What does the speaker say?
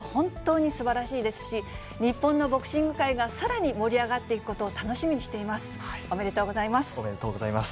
そんな中、勝ち続ける井上選手の偉業は本当にすばらしいですし、日本のボクシング界がさらに盛り上がっていくことを楽しみにしています。